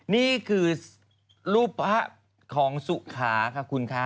นี่คือรูปพระของสุขาค่ะคุณคะ